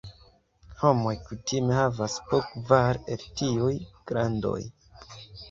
Homoj kutime havas po kvar el tiuj glandoj.